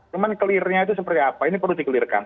cuma kelirnya itu seperti apa ini perlu di clearkan